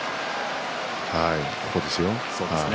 ここですよ。